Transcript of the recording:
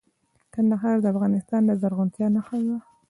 کندهار د افغانستان د زرغونتیا نښه ده.